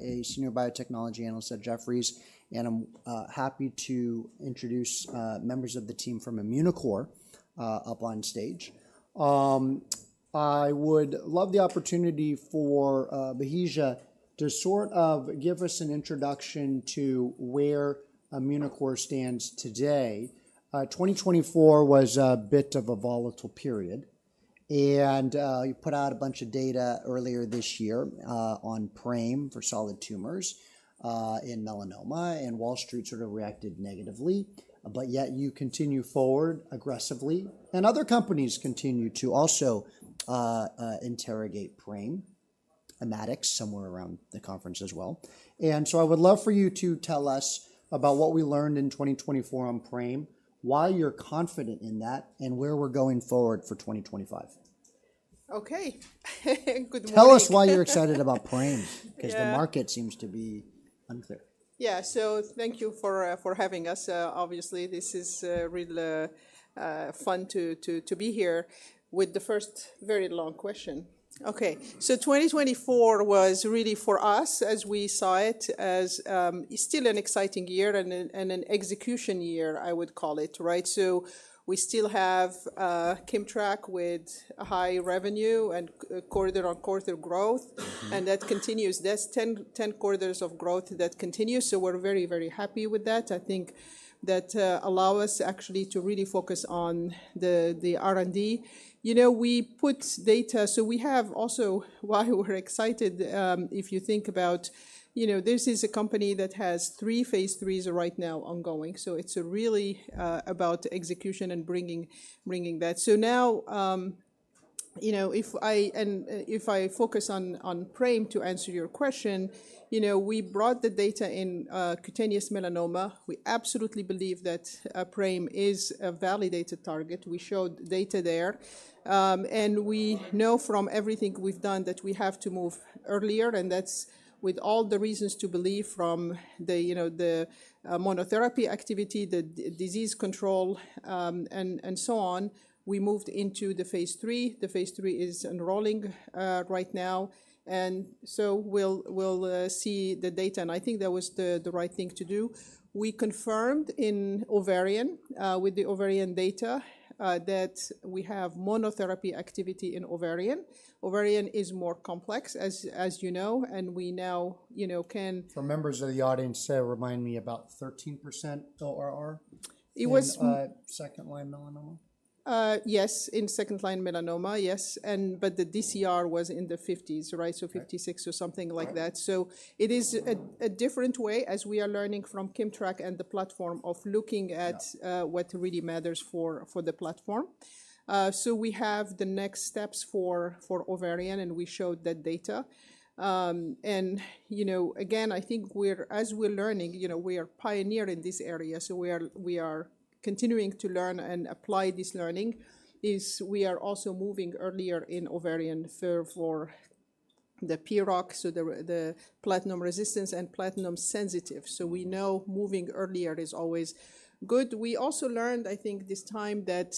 A senior biotechnology analyst at Jefferies, and I'm happy to introduce members of the team from Immunocore up on stage. I would love the opportunity for Bahija to sort of give us an introduction to where Immunocore stands today. 2024 was a bit of a volatile period, and you put out a bunch of data earlier this year on PRAME for solid tumors in melanoma, and Wall Street sort of reacted negatively. But yet you continue forward aggressively, and other companies continue to also interrogate PRAME, Immatics, somewhere around the conference as well. I would love for you to tell us about what we learned in 2024 on PRAME, why you're confident in that, and where we're going forward for 2025. Okay. Good morning. Tell us why you're excited about PRAME, because the market seems to be unclear? Yeah, so thank you for having us. Obviously, this is real fun to be here with the first very long question. Okay, so 2024 was really for us, as we saw it, as still an exciting year and an execution year, I would call it, right? So we still have KIMMTRAK with high revenue and quarter-on-quarter growth, and that continues. There's 10 quarters of growth that continue, so we're very, very happy with that. I think that allows us actually to really focus on the R&D. You know, we put data, so we have also why we're excited. If you think about, you know, this is a company that has three Phase III's right now ongoing, so it's really about execution and bringing that. So now, you know, if I focus on PRAME to answer your question, you know, we brought the data in cutaneous melanoma. We absolutely believe that PRAME is a validated target. We showed data there, and we know from everything we've done that we have to move earlier, and that's with all the reasons to believe from the monotherapy activity, the disease control, and so on. We moved into the Phase III. The Phase III is enrolling right now, and so we'll see the data, and I think that was the right thing to do. We confirmed in ovarian with the ovarian data that we have monotherapy activity in ovarian. Ovarian is more complex, as you know, and we now can. For members of the audience, remind me about 13% ORR in second-line melanoma. Yes, in second-line melanoma, yes, but the DCR was in the 50s, right? So, 56 or something like that, so it is a different way, as we are learning from KIMMTRAK and the platform of looking at what really matters for the platform, so we have the next steps for ovarian, and we showed that data, and, you know, again, I think as we're learning, you know, we are pioneers in this area, so we are continuing to learn and apply this learning. We are also moving earlier in ovarian for the PROC, so the platinum-resistant and platinum-sensitive, so we know moving earlier is always good. We also learned, I think this time, that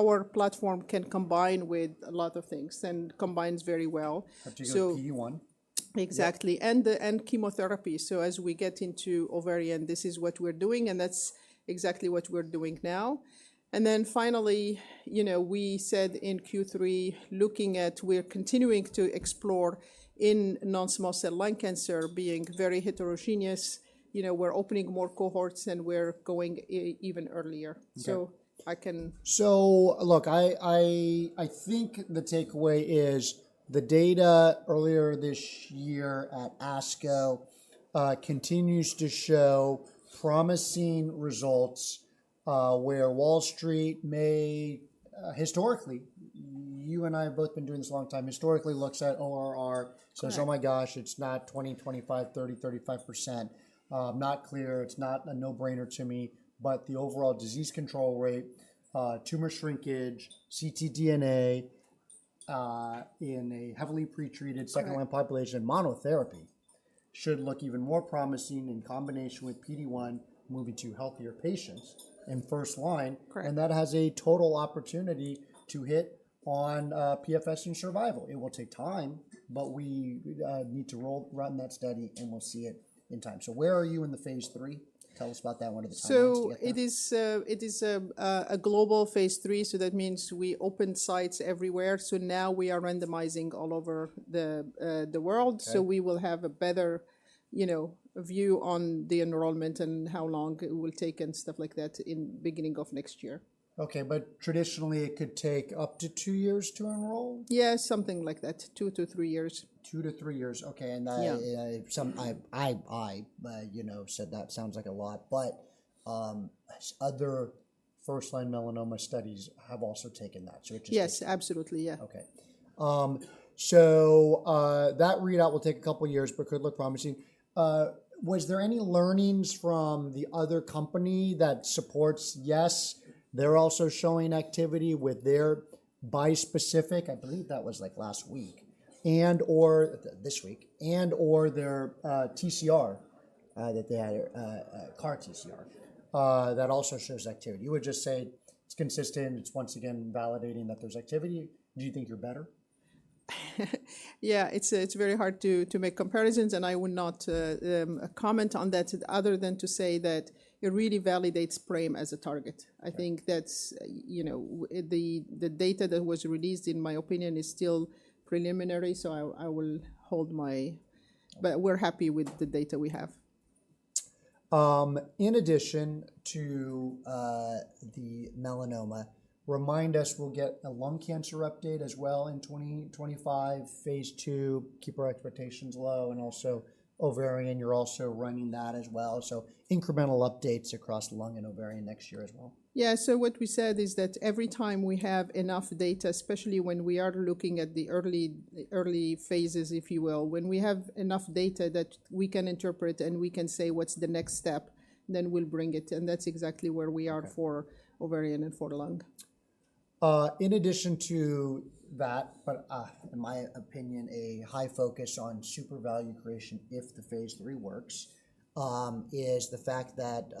our platform can combine with a lot of things and combines very well. Have to go PD-1. Exactly. And chemotherapy. So as we get into ovarian, this is what we're doing, and that's exactly what we're doing now. And then finally, you know, we said in Q3, looking at, we're continuing to explore in non-small cell lung cancer being very heterogeneous. You know, we're opening more cohorts, and we're going even earlier. So I can. So look, I think the takeaway is the data earlier this year at ASCO continues to show promising results where Wall Street may historically, you and I have both been doing this a long time, historically looks at ORR, says, "Oh my gosh, it's not 20%, 25%, 30%, 35%. Not clear. It's not a no-brainer to me." But the overall disease control rate, tumor shrinkage, ctDNA in a heavily pretreated second-line population monotherapy should look even more promising in combination with PD-1 moving to healthier patients in first line. And that has a total opportunity to hit on PFS and survival. It will take time, but we need to run that study, and we'll see it in time. So where are you in the Phase III? Tell us about that one at the time. So it is a global Phase III, so that means we opened sites everywhere. So now we are randomizing all over the world, so we will have a better, you know, view on the enrollment and how long it will take and stuff like that in the beginning of next year. Okay, but traditionally it could take up to two years to enroll? Yeah, something like that. Two to three years. Two to three years. Okay. And I, you know, said that sounds like a lot, but other first-line melanoma studies have also taken that. Yes, absolutely. Yeah. Okay. So that readout will take a couple of years, but could look promising. Was there any learnings from the other company that supports, yes, they're also showing activity with their bispecific, I believe that was like last week, and/or this week, and/or their TCR that they had, CAR TCR, that also shows activity? You would just say it's consistent, it's once again validating that there's activity. Do you think you're better? Yeah, it's very hard to make comparisons, and I would not comment on that other than to say that it really validates PRAME as a target. I think that's, you know, the data that was released, in my opinion, is still preliminary, so I will hold my, but we're happy with the data we have. In addition to the melanoma, remind us we'll get a lung cancer update as well in 2025, Phase II, keep our expectations low, and also ovarian, you're also running that as well. So incremental updates across lung and ovarian next year as well. Yeah, so what we said is that every time we have enough data, especially when we are looking at the early phases, if you will, when we have enough data that we can interpret and we can say what's the next step, then we'll bring it, and that's exactly where we are for ovarian and for lung. In addition to that, but in my opinion, a high focus on super value creation if the Phase III works is the fact that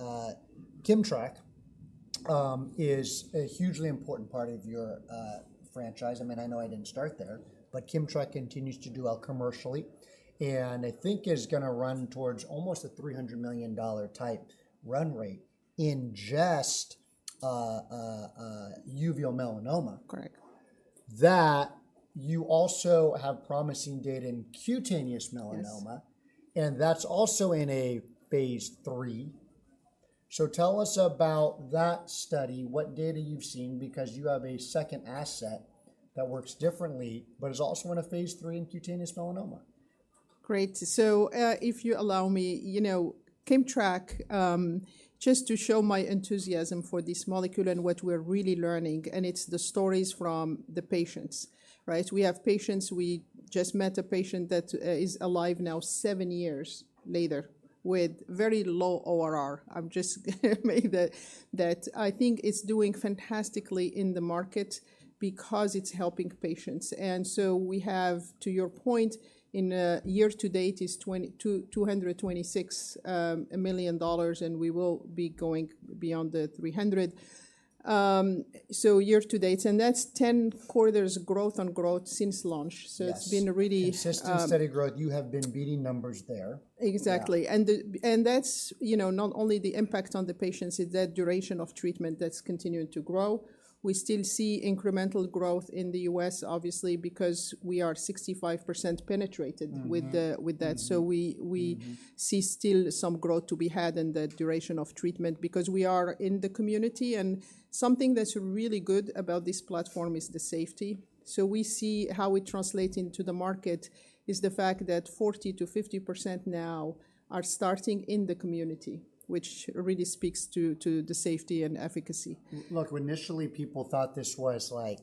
KIMMTRAK is a hugely important part of your franchise. I mean, I know I didn't start there, but KIMMTRAK continues to do well commercially, and I think is going to run towards almost a $300 million type run rate in just uveal melanoma. Correct. That you also have promising data in cutaneous melanoma, and that's also in a Phase III. So tell us about that study, what data you've seen, because you have a second asset that works differently, but is also in a Phase III in cutaneous melanoma. Great. So if you allow me, you know, KIMMTRAK, just to show my enthusiasm for this molecule and what we're really learning, and it's the stories from the patients, right? We have patients. We just met a patient that is alive now seven years later with very low ORR. I'm just going to make that. I think it's doing fantastically in the market because it's helping patients. And so we have, to your point, in year to date is $226 million, and we will be going beyond the 300. So year to date, and that's 10 quarters growth on growth since launch. So it's been really. Consistent steady growth. You have been beating numbers there. Exactly, and that's, you know, not only the impact on the patients, it's that duration of treatment that's continuing to grow. We still see incremental growth in the U.S., obviously, because we are 65% penetrated with that. So we see still some growth to be had in the duration of treatment because we are in the community. And something that's really good about this platform is the safety, so we see how it translates into the market is the fact that 40%-50% now are starting in the community, which really speaks to the safety and efficacy. Look, initially people thought this was like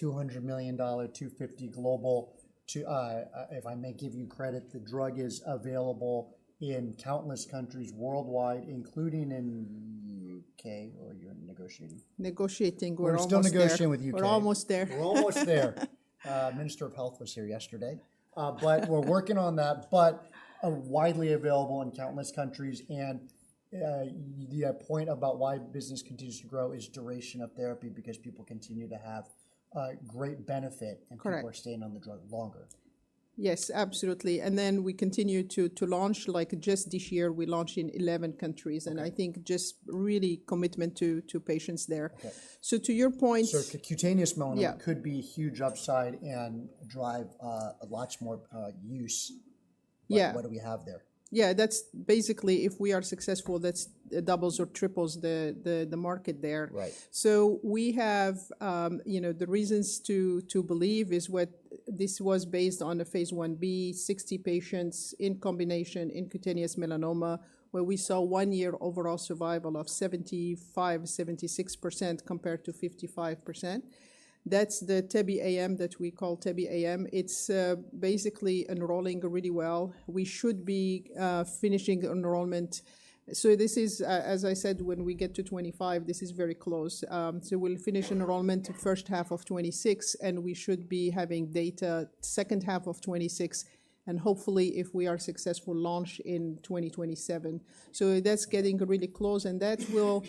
$200 million-$250 million global. If I may give you credit, the drug is available in countless countries worldwide, including in the U.K., where you're negotiating. Negotiating, we're almost there. We're still negotiating with the U.K. We're almost there. We're almost there. Minister of Health was here yesterday, but we're working on that, but widely available in countless countries, and the point about why business continues to grow is duration of therapy because people continue to have great benefit and people are staying on the drug longer. Yes, absolutely, and then we continue to launch, like just this year, we launched in 11 countries, and I think just really commitment to patients there. So, to your point. So cutaneous melanoma could be a huge upside and drive a lot more use. What do we have there? Yeah, that's basically if we are successful, that's doubles or triples the market there. So we have, you know, the reasons to believe is what this was based on a Phase 1B, 60 patients in combination in cutaneous melanoma, where we saw one year overall survival of 75%-76% compared to 55%. That's the TEBE-AM that we call TEBE-AM. It's basically enrolling really well. We should be finishing enrollment. So this is, as I said, when we get to 2025, this is very close. So we'll finish enrollment the first half of 2026, and we should be having data second half of 2026, and hopefully if we are successful, launch in 2027. So that's getting really close. And that will,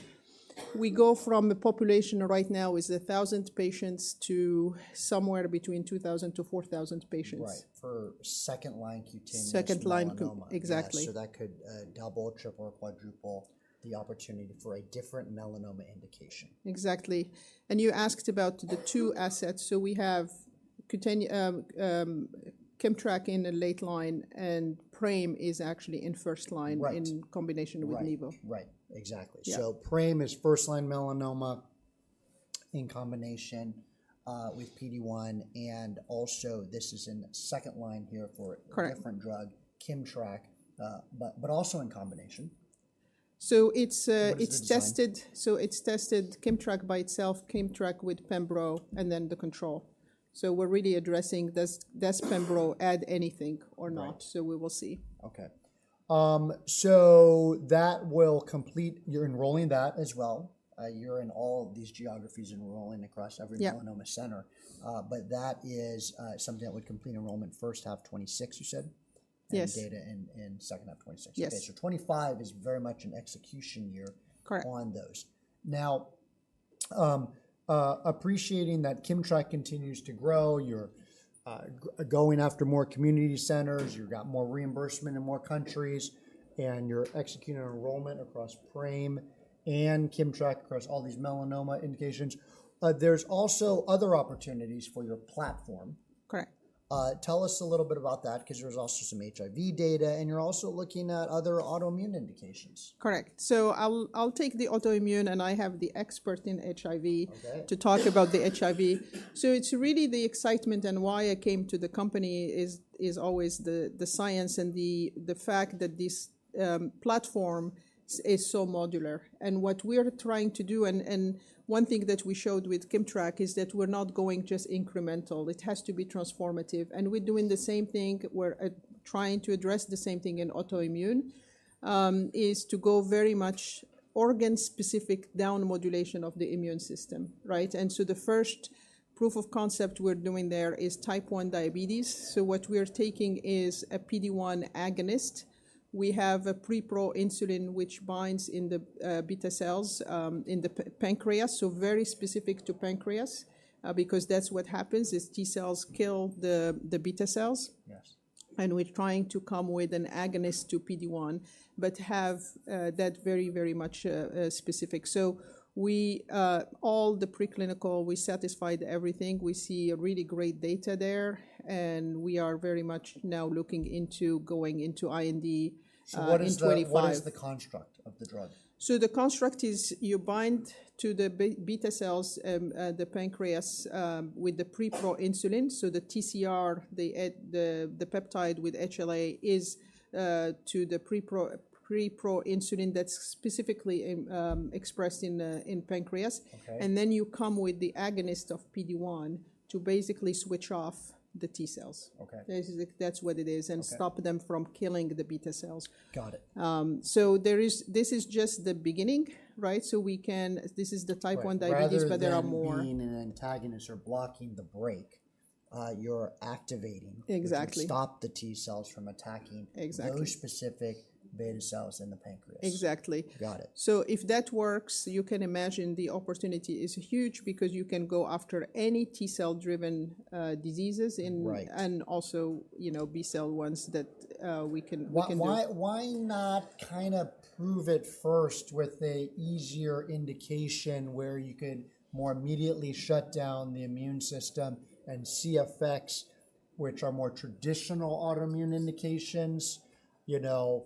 we go from a population right now is a thousand patients to somewhere between 2,000 to 4,000 patients. Right, for second-line cutaneous melanoma. Second line, exactly. So that could double, triple, or quadruple the opportunity for a different melanoma indication. Exactly. And you asked about the two assets. So we have KIMMTRAK in the late line, and PRAME is actually in first line in combination with nivo. Right, right, exactly. So PRAME is first-line melanoma in combination with PD-1, and also this is in second line here for a different drug, KIMMTRAK, but also in combination. So it's tested KIMMTRAK by itself, KIMMTRAK with Pembro, and then the control. So we're really addressing does Pembro add anything or not, so we will see. Okay. So that will complete, you're enrolling that as well. You're in all these geographies enrolling across every melanoma center. But that is something that would complete enrollment first half 2026, you said? Yes. Data in second half 2026. Okay. So 2025 is very much an execution year on those. Now, appreciating that KIMMTRAK continues to grow, you're going after more community centers, you've got more reimbursement in more countries, and you're executing enrollment across PRAME and KIMMTRAK across all these melanoma indications. There's also other opportunities for your platform. Tell us a little bit about that because there's also some HIV data, and you're also looking at other autoimmune indications. Correct. So I'll take the autoimmune, and I have the expert in HIV to talk about the HIV. So it's really the excitement and why I came to the company is always the science and the fact that this platform is so modular. And what we're trying to do, and one thing that we showed with KIMMTRAK is that we're not going just incremental. It has to be transformative. And we're doing the same thing. We're trying to address the same thing in autoimmune is to go very much organ-specific down modulation of the immune system, right? And so the first proof of concept we're doing there is type 1 diabetes. So what we're taking is a PD-1 agonist. We have a preproinsulin, which binds in the beta cells in the pancreas, so very specific to pancreas, because that's what happens is T cells kill the beta cells. And we're trying to come with an agonist to PD-1, but have that very, very much specific. So all the preclinical, we satisfied everything. We see really great data there, and we are very much now looking into going into IND in 2025. So what is the construct of the drug? So the construct is you bind to the beta cells, the pancreas with the preproinsulin. So the TCR, the peptide with HLA is to the preproinsulin that's specifically expressed in pancreas. And then you come with the agonist of PD-1 to basically switch off the T cells. That's what it is and stop them from killing the beta cells. Got it. This is just the beginning, right? We can, this is the type 1 diabetes, but there are more. You're activating the antagonist or blocking the break. You're activating to stop the T cells from attacking those specific beta cells in the pancreas. Exactly. Got it. So if that works, you can imagine the opportunity is huge because you can go after any T-cell-driven diseases and also, you know, B-cell ones that we can do. Why not kind of prove it first with an easier indication where you could more immediately shut down the immune system and see effects, which are more traditional autoimmune indications, you know,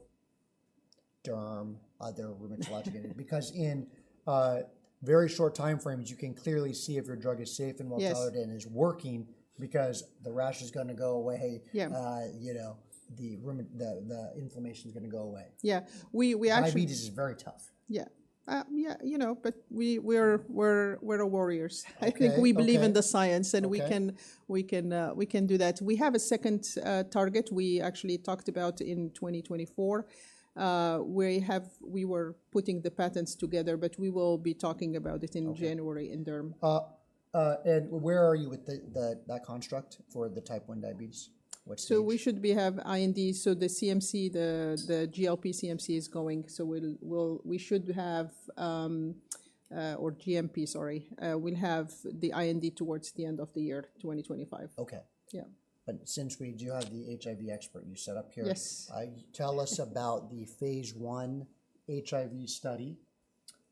derm, other rheumatologic indications, because in very short time frames, you can clearly see if your drug is safe and well tolerated and is working because the rash is going to go away, you know, the inflammation is going to go away. Yeah. Diabetes is very tough. Yeah. Yeah, you know, but we're warriors. I think we believe in the science and we can do that. We have a second target we actually talked about in 2024. We were putting the patents together, but we will be talking about it in January in derm. Where are you with that construct for the type 1 diabetes? We should have IND, so the CMC, the GLP CMC is going. So we should have, or GMP, sorry, we'll have the IND towards the end of the year, 2025. Okay. Yeah. But since we do have the HIV expert you set up here, tell us about the Phase I HIV study.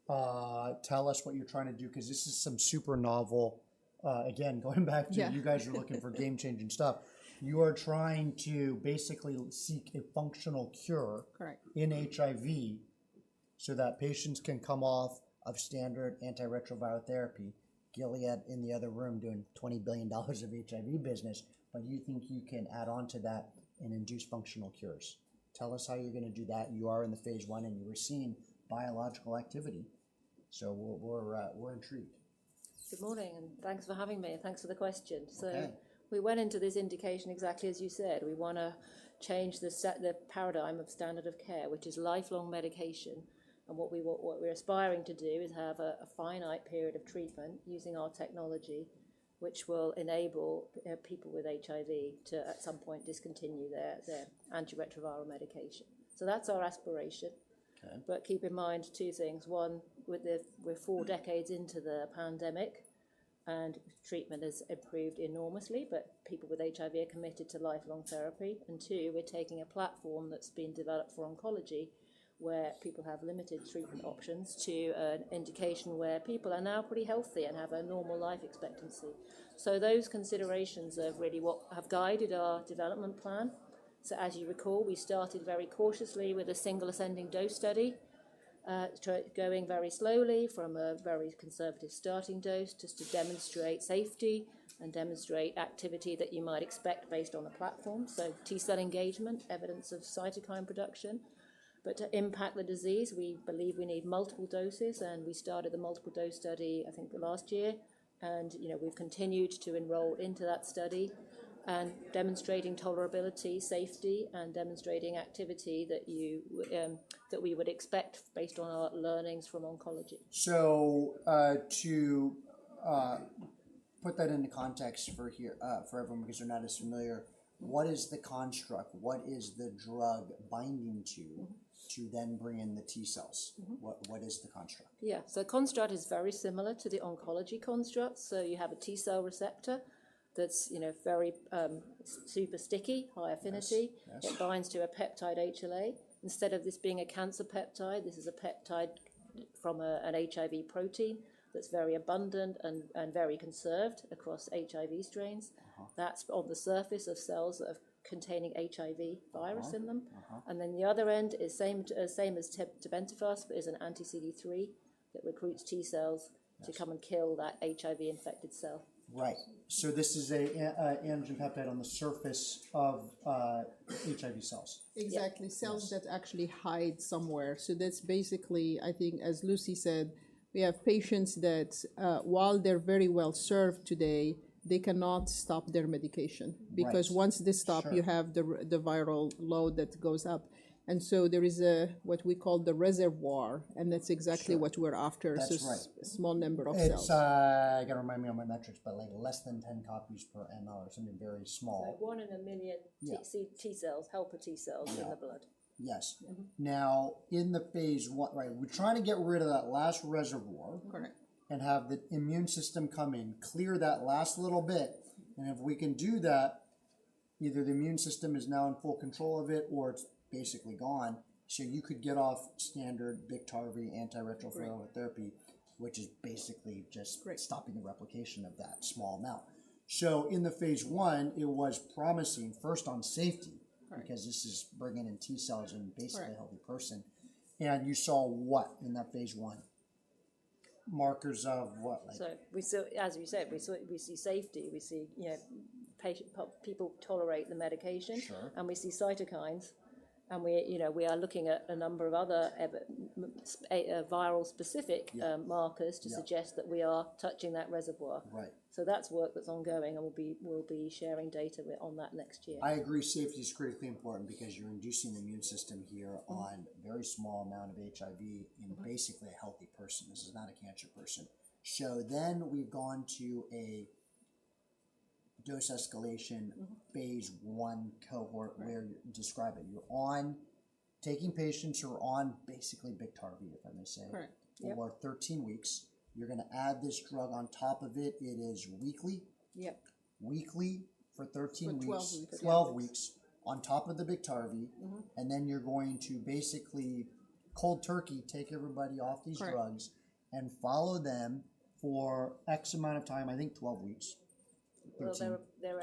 Tell us what you're trying to do because this is some super novel. Again, going back to you guys are looking for game-changing stuff. You are trying to basically seek a functional cure in HIV so that patients can come off of standard antiretroviral therapy. Gilead in the other room doing $20 billion of HIV business, but you think you can add on to that and induce functional cures. Tell us how you're going to do that. You are in the Phase I and you were seeing biological activity. So we're intrigued. Good morning and thanks for having me and thanks for the question, so we went into this indication exactly as you said. We want to change the paradigm of standard of care, which is lifelong medication, and what we're aspiring to do is have a finite period of treatment using our technology, which will enable people with HIV to at some point discontinue their antiretroviral medication, so that's our aspiration, but keep in mind two things. One, we're four decades into the pandemic and treatment has improved enormously, but people with HIV are committed to lifelong therapy, and two, we're taking a platform that's been developed for oncology where people have limited treatment options to an indication where people are now pretty healthy and have a normal life expectancy, so those considerations have really guided our development plan. As you recall, we started very cautiously with a single ascending dose study, going very slowly from a very conservative starting dose just to demonstrate safety and demonstrate activity that you might expect based on the platform. T-cell engagement, evidence of cytokine production. To impact the disease, we believe we need multiple doses and we started the multiple dose study, I think last year. You know, we've continued to enroll into that study and demonstrating tolerability, safety, and demonstrating activity that we would expect based on our learnings from oncology. So to put that into context for everyone because they're not as familiar. What is the construct? What is the drug binding to to then bring in the T cells? What is the construct? Yeah, so the construct is very similar to the oncology construct. So you have a T-cell receptor that's very super sticky, high affinity. It binds to a peptide HLA. Instead of this being a cancer peptide, this is a peptide from an HIV protein that's very abundant and very conserved across HIV strains. That's on the surface of cells that are containing HIV virus in them. And then the other end is same as tebentafusp, an anti-CD3 that recruits T cells to come and kill that HIV-infected cell. Right. So this is an antigen peptide on the surface of HIV cells. Exactly. Cells that actually hide somewhere. So that's basically, I think, as Lucy said, we have patients that while they're very well served today, they cannot stop their medication because once they stop, you have the viral load that goes up. And so there is what we call the reservoir, and that's exactly what we're after. So small number of cells. It's. I got to remind me of my metrics, but like less than 10 copies per mL or something very small. One in a million T cells, helper T cells in the blood. Yes. Now in the Phase I, right, we're trying to get rid of that last reservoir and have the immune system come in, clear that last little bit, and if we can do that, either the immune system is now in full control of it or it's basically gone, so you could get off standard Biktarvy antiretroviral therapy, which is basically just stopping the replication of that small amount, so in the Phase I, it was promising first on safety because this is bringing in T cells in basically a healthy person, and you saw what in that Phase I? Markers of what? So as you said, we see safety. We see people tolerate the medication, and we see cytokines. And we are looking at a number of other viral specific markers to suggest that we are touching that reservoir. So that's work that's ongoing, and we'll be sharing data on that next year. I agree. Safety is critically important because you're inducing the immune system here on a very small amount of HIV in basically a healthy person. This is not a cancer person. So then we've gone to a dose escalation Phase I cohort where you describe it. You're on taking patients who are on basically Biktarvy, if I may say, for 13 weeks. You're going to add this drug on top of it. It is weekly, weekly for 13 weeks, 12 weeks on top of the Biktarvy, and then you're going to basically cold turkey take everybody off these drugs and follow them for X amount of time, I think 12 weeks. There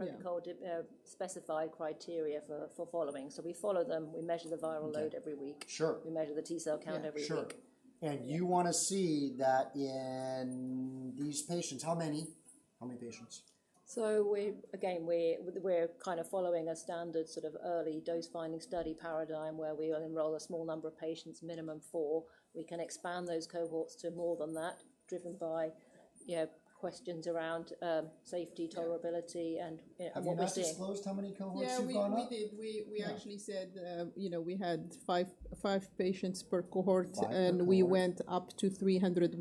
are specified criteria for following. So we follow them. We measure the viral load every week. We measure the T-cell count every week. Sure. And you want to see that in these patients. How many? How many patients? Again, we're kind of following a standard sort of early dose finding study paradigm where we'll enroll a small number of patients, minimum four. We can expand those cohorts to more than that, driven by questions around safety, tolerability, and what we see. Have you disclosed how many cohorts you've gone up? Yeah, we did. We actually said, you know, we had five patients per cohort, and we went up to 300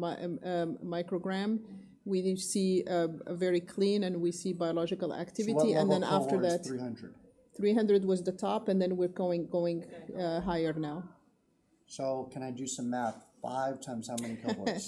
microgram. We see very clean, and we see biological activity. And then after that. 300. 300 was the top, and then we're going higher now. So can I do some math? Five times how many cohorts?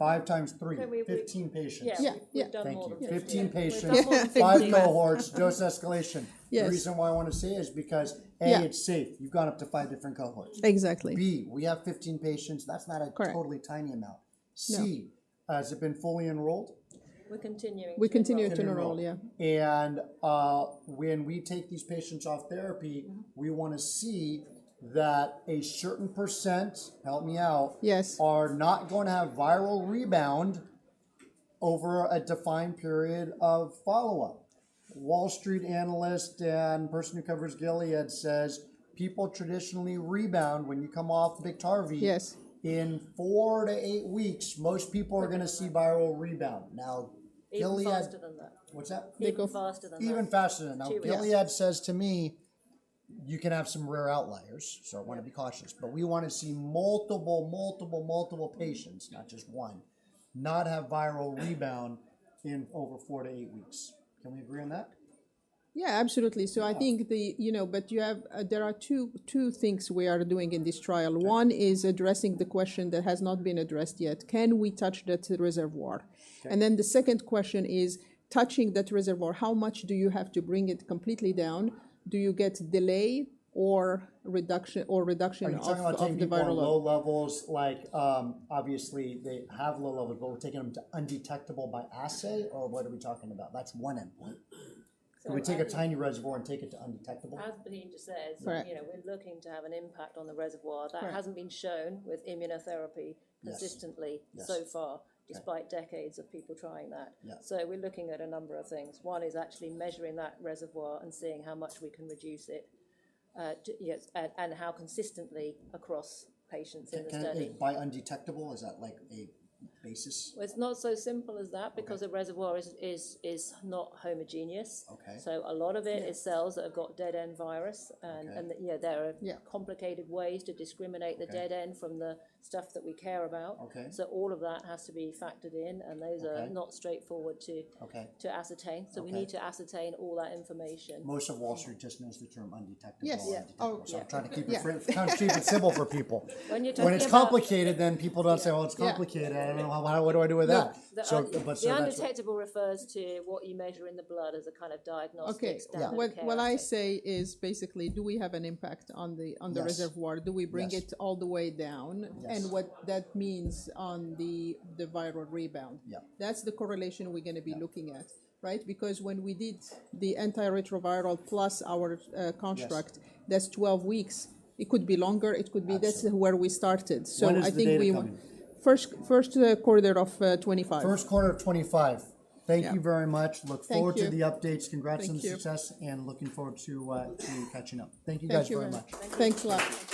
Five times three, 15 patients. Yeah. Thank you. 15 patients, five cohorts, dose escalation. The reason why I want to say is because, A, it's safe. You've gone up to five different cohorts. Exactly. B, we have 15 patients. That's not a totally tiny amount. C, has it been fully enrolled? We're continuing to enroll. We continue to enroll, yeah. When we take these patients off therapy, we want to see that a certain percent, help me out, are not going to have viral rebound over a defined period of follow-up. Wall Street analyst and person who covers Gilead says, people traditionally rebound when you come off Biktarvy. In four to eight weeks, most people are going to see viral rebound. Now, Gilead. Even faster than that. What's that? Even faster than that. Even faster than that. Now, Gilead says to me, you can have some rare outliers, so I want to be cautious. But we want to see multiple, multiple, multiple patients, not just one, not have viral rebound in over four to eight weeks. Can we agree on that? Yeah, absolutely. So I think, you know, but there are two things we are doing in this trial. One is addressing the question that has not been addressed yet. Can we touch that reservoir? And then the second question is, touching that reservoir, how much do you have to bring it completely down? Do you get delay or reduction of the viral load? Are we talking about low levels? Like, obviously, they have low levels, but we're taking them to undetectable by assay or what are we talking about? That's one endpoint. Can we take a tiny reservoir and take it to undetectable? As Brian just says, you know, we're looking to have an impact on the reservoir. That hasn't been shown with immunotherapy consistently so far, despite decades of people trying that. So we're looking at a number of things. One is actually measuring that reservoir and seeing how much we can reduce it and how consistently across patients in the study. By undetectable, is that like a basis? It's not so simple as that because a reservoir is not homogeneous. So a lot of it is cells that have got dead end virus. And there are complicated ways to discriminate the dead end from the stuff that we care about. So all of that has to be factored in, and those are not straightforward to ascertain. So we need to ascertain all that information. Most of Wall Street just knows the term undetectable. So I'm trying to keep it kind of cheap and simple for people. When it's complicated, then people don't say, well, it's complicated. I don't know what do I do with that? The undetectable refers to what you measure in the blood as a kind of diagnostic standard. What I say is basically, do we have an impact on the reservoir? Do we bring it all the way down? And what that means on the viral rebound? That's the correlation we're going to be looking at, right? Because when we did the antiretroviral plus our construct, that's 12 weeks. It could be longer. It could be that's where we started. So I think first quarter of 2025. First quarter of 2025. Thank you very much. Look forward to the updates. Congrats on the success and looking forward to catching up. Thank you guys very much. Thanks a lot.